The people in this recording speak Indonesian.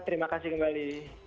terima kasih kembali